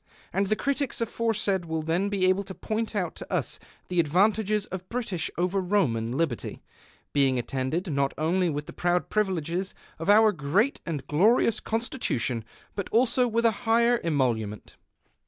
And the critics aforesaid will then be able to point out to us the advantages of British over Roman liberty, being attended not only with the proud privileges of our great and glorious Constitution, but also with a higher emolu ment.